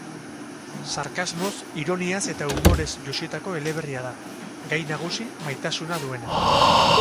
Sarkasmoz, ironiaz eta umorez jositako eleberria da, gai nagusi maitasuna duena.